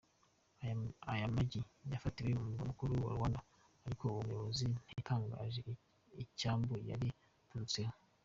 Ayo magi yafatiwe mu Murwa mukuru Luanda, ariko uwo muyobozi ntiyatangaje icyambu yari aturutseho.